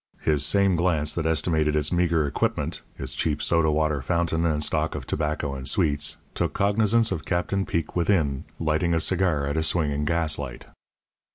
His same glance that estimated its meagre equipment, its cheap soda water fountain and stock of tobacco and sweets, took cognizance of Captain Peek within lighting a cigar at a swinging gaslight.